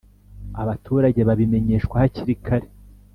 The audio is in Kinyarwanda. abaturage babimenyeshwa hakiri kare